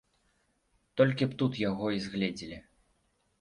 Толькі б тут яго й згледзелі.